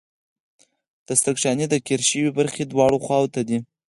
د سرک شانې د قیر شوې برخې دواړو خواو ته دي